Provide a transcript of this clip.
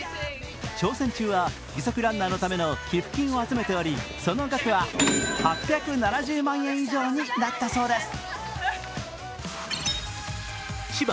挑戦中は義足ランナーのための寄付金を集めておりその額は８７０万円以上になったそうです。